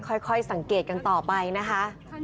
ค่อยสังเกตกันต่อไปนะคะ